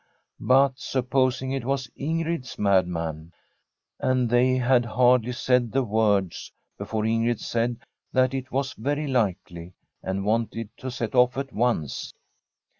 But supposing it was Ingrid's madman I And they had hardly said the words before Ingrid said that it was very likely, and wanted to set off at once.